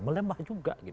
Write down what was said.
melemah juga gitu